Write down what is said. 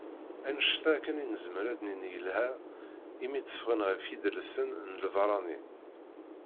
Annect-a akken i nezmer ad d-nini yelha imi tteffɣen ɣef yidelsan n lbeṛṛani.